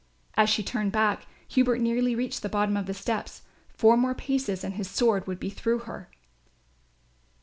As she turned back, Hubert nearly reached the bottom of the steps. Four more paces and his sword would be through her.